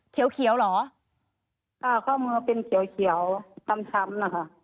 เขียวเขียวเหรออ่าข้อมือเป็นเขียวเขียวช้ำช้ำนะคะ